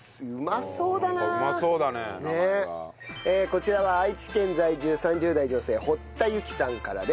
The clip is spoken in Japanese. こちらは愛知県在住３０代女性堀田友紀さんからです。